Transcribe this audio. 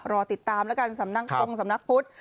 รอติดตามแล้วกันสำนักทรงสำนักพุทธ